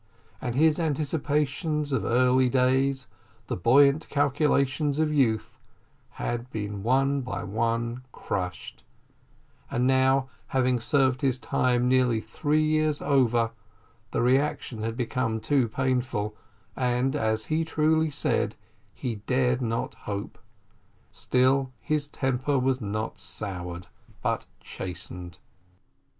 and his anticipations of early days, the buoyant calculations of youth, had been one by one crushed, and now, having served his time nearly three times over, the reaction had become too painful, and, as he truly said, he dared not hope: still his temper was not soured but chastened.